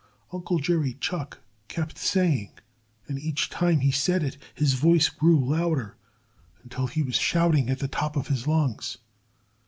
Uncle Jerry Chuck kept saying. And each time he said it, his voice grew louder, until he was shouting at the top of his lungs.